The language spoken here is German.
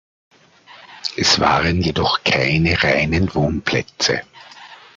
Es waren jedoch keine reinen Wohnplätze.